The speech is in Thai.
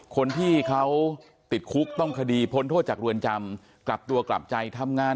คนที่เขาติดคุกต้องคดีพ้นโทษจากเรือนจำกลับตัวกลับใจทำงาน